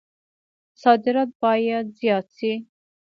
صادرات باید زیات شي